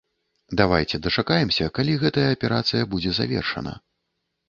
Давайце дачакаемся, калі гэтая аперацыя будзе завершана.